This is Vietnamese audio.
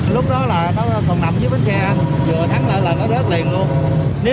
lúc đó là nó còn nằm dưới bến xe vừa thắng lợi là nó rớt liền luôn